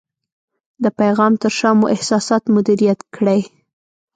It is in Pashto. د پیغام تر شا مو احساسات مدیریت کړئ.